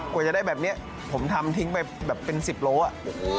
กว่าจะได้แบบนี้ผมทำทิ้งไปแบบเป็น๑๐โลอะ